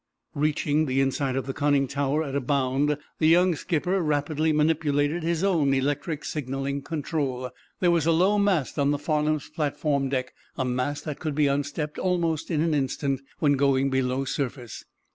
Reaching the inside of the conning tower at a bound, the young skipper rapidly manipulated his own electric signaling control. There was a low mast on the "Farnum's" platform deck, a mast that could be unstepped almost in an instant when going below surface.